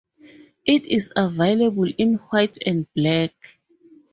It is available in white and black.